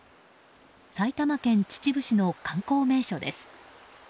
埼玉県秩父市の観光名所です。